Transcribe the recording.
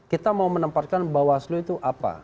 kita mau menempatkan bawah selu itu apa